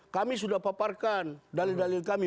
kami sudah paparkan dalil dalil kami